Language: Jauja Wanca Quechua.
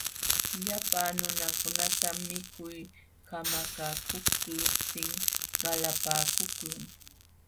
Llapa nunakunatam mikuy kamakaqluptin qalapaakuqlun.